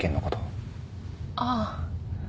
ああ。